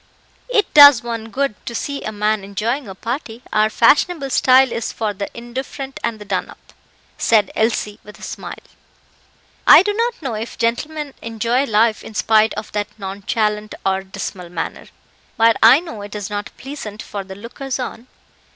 "It does one good to see a man enjoying a party; our fashionable style is for the indifferent and the done up," said Elsie, with a smile. "I do not know if gentlemen enjoy life in spite of that nonchalant or dismal manner; but I know it is not pleasant for the lookers on."